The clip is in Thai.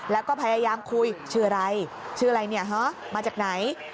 แล้วก็พยายามคุยชื่ออะไรชื่ออะไรเนี่ยฮะมาจากไหน